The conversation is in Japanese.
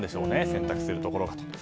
選択するところが。